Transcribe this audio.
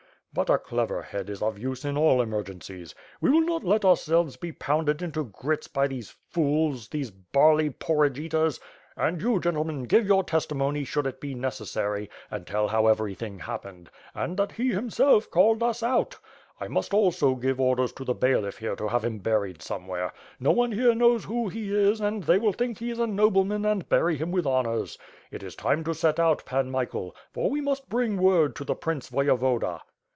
But a clever head is of use in all emergencies. We will not let ourselves be pounded into grits by these fools, these barley WITH FIRE AND SWORD, 561 porridge eaters, and you, gentlemen, give your teatimony, should it be n ecessary, and tell how everything happened; and that he, himself, called us out. I must also give orders to the bailiff here to have him buried somewhere. No one here knows who he is, iind they will think he is a nobleman and bury him with honors. It is time to set out. Pan Michael, for we must bring word to the Prince Voyevoda.